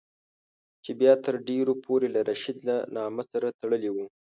چې بیا تر ډېرو پورې له رشید له نامه سره تړلی وو.